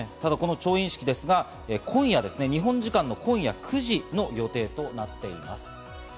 調印式ですが、日本時間の今夜９時の予定となっています。